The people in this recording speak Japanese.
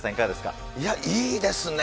いや、いいですね。